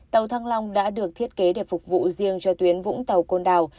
tàu thăng long đã được thiết kế để phục vụ riêng cho tuyến vũng tàu côn đảo